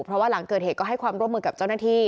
เพราะว่าหลังเกิดเหตุก็ให้ความร่วมมือกับเจ้าหน้าที่